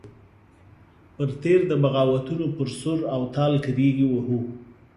پر تېر د بغاوتونو پر سور او تال کرېږې وهو.